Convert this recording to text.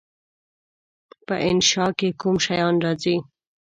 په انشأ کې کوم شیان راځي؟